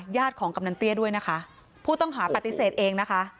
ญาติของกำนันเตี้ยด้วยนะคะผู้ต้องหาปฏิเสธเองนะคะ